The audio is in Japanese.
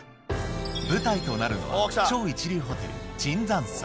舞台となるのは超一流ホテル